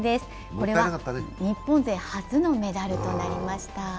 これは日本勢初のメダルとなりました。